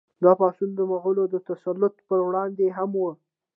دا پاڅون د مغولو د تسلط پر وړاندې هم و.